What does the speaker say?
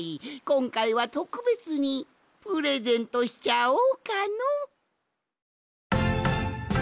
こんかいはとくべつにプレゼントしちゃおうかの。